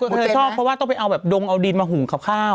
เธอชอบเพราะว่าต้องไปเอาแบบดงเอาดินมาหุงกับข้าว